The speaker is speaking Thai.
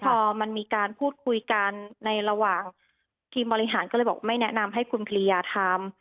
พอมันมีการพูดคุยกันในระหว่างทีมบริหารก็เลยบอกไม่แนะนำให้คุณภรรยาทำ